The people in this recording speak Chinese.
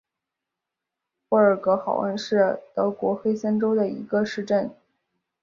布尔格豪恩是德国黑森州的一个市镇。